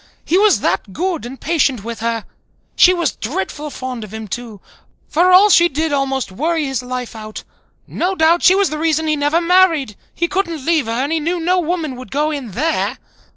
He was that good and patient with her. She was dreadful fond of him too, for all she did almost worry his life out. No doubt she was the reason he never married. He couldn't leave her and he knew no woman would go in there.